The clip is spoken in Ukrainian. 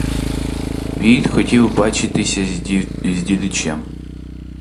Війт хотів бачитися з дідичем.